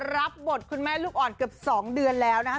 รับบทคุณแม่ลูกอ่อนเกือบ๒เดือนแล้วนะคะ